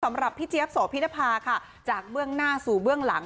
สำหรับพี่เจี๊ยบโสพินภาค่ะจากเบื้องหน้าสู่เบื้องหลัง